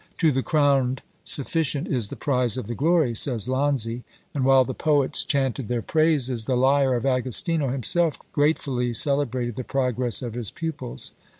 "To the crowned sufficient is the prize of the glory," says Lanzi; and while the poets chanted their praises, the lyre of Agostino himself gratefully celebrated the progress of his pupils.